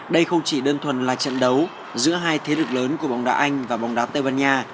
đây không chỉ đơn thuần là trận đấu giữa hai thế lực lớn của bóng đá anh và bóng đá tây ban nha